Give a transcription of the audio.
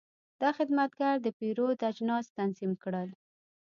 دا خدمتګر د پیرود اجناس تنظیم کړل.